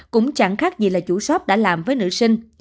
cũng chẳng khác gì là chủ shop đã làm với nữ sinh